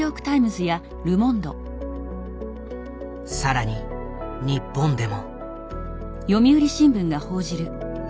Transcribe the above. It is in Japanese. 更に日本でも。